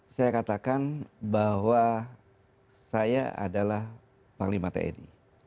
saya katakan bahwa saya adalah panglima tni